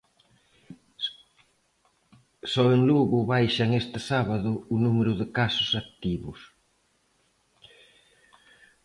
Só en Lugo baixan este sábado o número de casos activos.